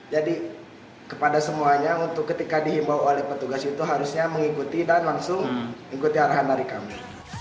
jadi kepada semuanya untuk ketika diimbau oleh petugas itu harusnya mengikuti dan langsung mengikuti arahan dari kami